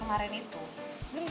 tepi siapa fesii gitu diaperk